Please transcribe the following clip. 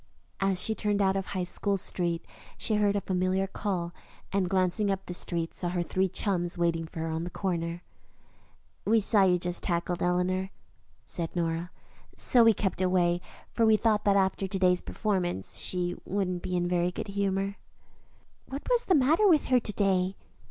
As she turned out of High School Street she heard a familiar call, and, glancing up the street, saw her three chums waiting for her on the corner. "We saw you just as you tackled Eleanor," said Nora, "so we kept away, for we thought after to day's performances she wouldn't be in a very good humor." "What was the matter with her to day?"